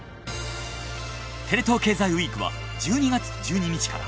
テレ東経済ＷＥＥＫは１２月１２日から。